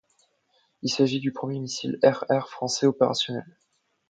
Il s'agit du premier missile air-air français opérationnel.